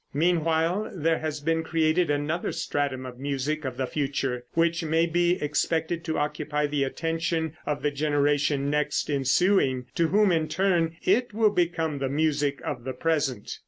Meanwhile there has been created another stratum of music of the future, which may be expected to occupy the attention of the generation next ensuing, to whom in turn it will become the music of the present.